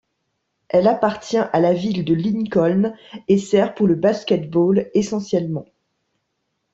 Elle appartient à la ville de Lincoln et sert pour le basket-ball essentiellement.